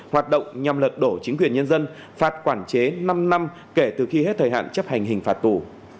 hoạt động nhằm lật đổ chính quyền nhân dân phạt quản chế năm năm kể từ khi hết thời hạn chấp hành hình phạt tù